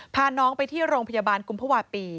พาน้องไปที่โรงพยาบาลกุมภาวะปี